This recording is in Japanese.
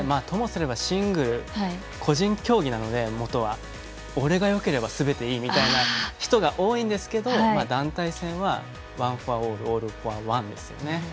ともすればシングル、個人競技なので俺がよければすべていいみたいな人が多いんですけど団体戦はワンフォアオールオールフォアワンですよね。